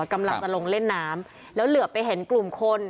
กำลังจะลงเล่นน้ำแล้วเหลือไปเห็นกลุ่มคน